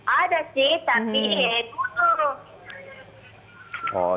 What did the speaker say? ada sih tapi dulu